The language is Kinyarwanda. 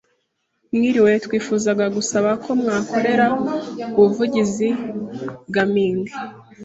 Mwiriwe twifuzaga gusaba ko mwakorera ubuvugizi gaming